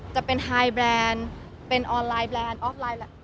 จะเป็นไฮแบรนด์เป็นออนไลน์แบรนด์ออฟไลน์